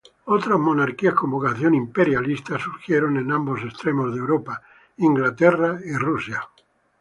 Otras monarquías con vocación universal surgieron en ambos extremos de Europa: Inglaterra y Rusia.